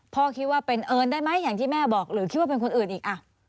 พ่อคิดว่าเป็นเอิญได้ไหมอย่างที่แม่บอกหรือคิดว่าเป็นคนอื่นอีก